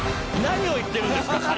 何を言ってるんですか？